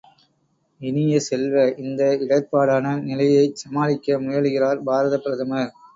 இனிய செல்வ, இந்த இடர்ப்பாடான நிலையைச் சமாளிக்க முயலுகிறார் பாரதப் பிரதமர்!